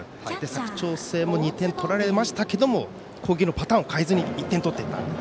佐久長聖も２点取られましたが攻撃のパターンを変えずに１点取っていった。